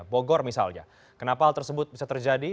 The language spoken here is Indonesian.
bogor misalnya kenapa hal tersebut bisa terjadi